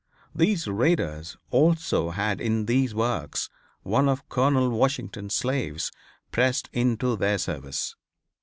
These raiders also had in these works one of Colonel Washington's slaves pressed into their service.